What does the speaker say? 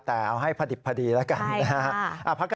แต่เอาให้พอดีแล้วกัน